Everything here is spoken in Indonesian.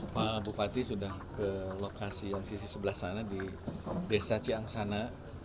pak bupati sudah ke lokasi yang sisi sebelah sana di desa ciang sana